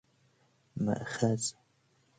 ماخذ